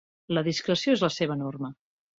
La discreció és la seva norma.